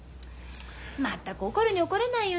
まったく怒るに怒れないよね。